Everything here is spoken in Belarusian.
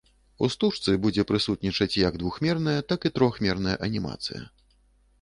У стужцы будзе прысутнічаць як двухмерная, так і трохмерная анімацыя.